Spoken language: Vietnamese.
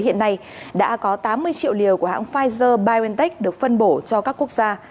hiện nay đã có tám mươi triệu liều của hãng pfizer biontech được phân bổ cho các quốc gia